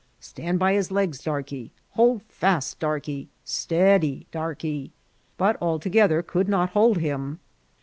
" Stand by his legs. Darkey !"" Hold fast. Darkey !'*'^ Steady, Darkey!" but all together could not hold him.